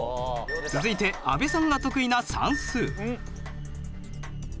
続いて阿部さんが得意な算数。